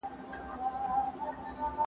زه به د نوي لغتونو يادونه کړې وي!!